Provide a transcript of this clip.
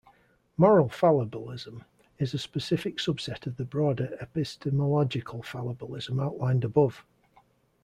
Moral fallibilism is a specific subset of the broader epistemological fallibilism outlined above.